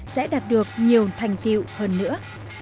sẽ đạt được nhiều thành tiêu hơn nữa